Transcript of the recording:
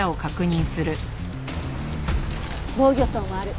防御創もある。